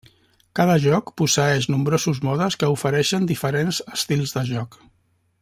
Cada joc posseeix nombrosos modes que ofereixen diferents estils de joc.